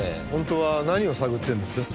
本当は何を探ってるんです？